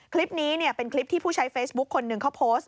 คลิปนี้เป็นคลิปที่ผู้ใช้เฟซบุ๊คคนหนึ่งเขาโพสต์